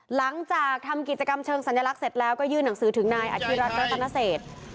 หลังจากทำกิจกรรมเชิงสัญลักษณ์เสร็จแล้วก็ยื่นหนังสือถึงนายอธิรัฐรัตนเศษ